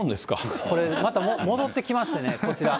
これ、また戻ってきまして、こちら。